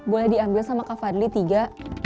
boleh diambil sama kak fadli tiga